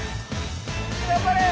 ・頑張れ！